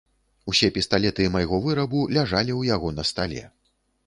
Усе пісталеты майго вырабу ляжалі ў яго на стале.